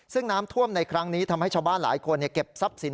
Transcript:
ซึ่งน้ำท่วมในครั้งนี้ทำให้ชาวบ้านหลายคนเก็บทรัพย์สิน